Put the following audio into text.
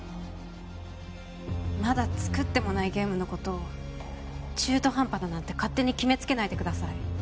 まだ作ってもないゲームのことを中途半端だなんて勝手に決めつけないでください